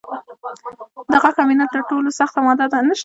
د غاښ امینل تر ټولو سخته ماده ده.